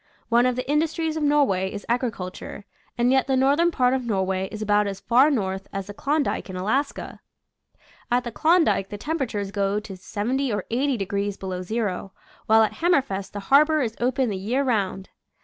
One of the indus tries of Norway is agriculture, and yet the northern part of Norway is about as far north as the Klondike in Alaska. At the Klondike the temperature goes to 70 or 80 degrees be low zero, while at Hammerfest the harbor is open the year round.